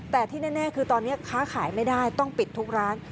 แต่ที่แน่คือตอนนี้ค้าขายไม่ได้ต้องปิดทุกร้าน